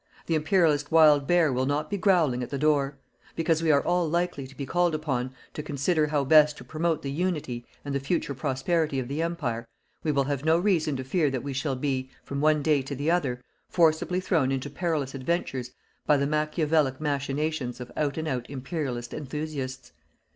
The imperialist wild bear will not be growling at the door. Because we are all likely to be called upon to consider how best to promote the unity and the future prosperity of the Empire, we will have no reason to fear that we shall be, from one day to the other, forcibly thrown into perilous adventures by the Machiavellic machinations of out and out Imperialist enthusiasts.